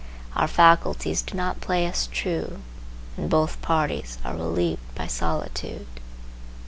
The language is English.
Our faculties do not play us true, and both parties are relieved by solitude.